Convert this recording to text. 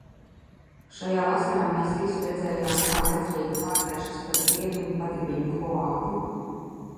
Šajā vasarā mēs visi redzējām, kā Vecrīga pārvēršas par Rietumu padibeņu kloāku.